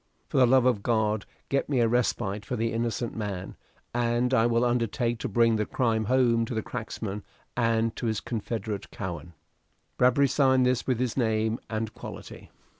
"For the love of God get me a respite for the innocent man, and I will undertake to bring the crime home to the cracksman and to his confederate Cowen." Bradbury signed this with His name and quality.